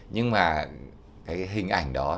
nhưng mà hình ảnh đó